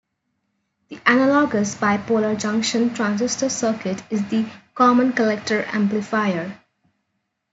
The analogous bipolar junction transistor circuit is the common-collector amplifier.